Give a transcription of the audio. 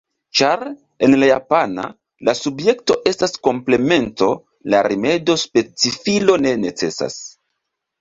Ĉar, en la japana, la subjekto estas komplemento, la rimedo specifilo ne necesas.